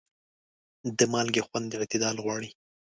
د مالګې خوند اعتدال غواړي.